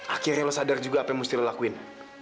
akhirnya lo sadar juga apa yang mesti lo lakuin